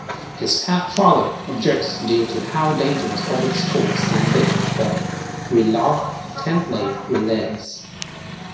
His father objects due to how dangerous public schools can be, but reluctantly relents.